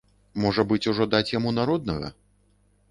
Можа быць, ужо даць яму народнага?